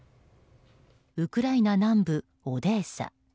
ウクライナ南部オデーサ。